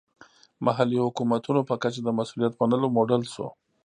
محلي حکومتونو په کچه د مسوولیت منلو موډل شو.